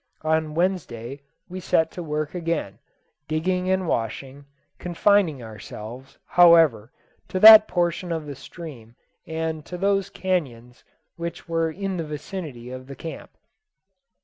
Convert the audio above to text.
On Wednesday we set to work again, digging and washing, confining ourselves, however, to that portion of the stream and to those canones which were in the vicinity of the camp.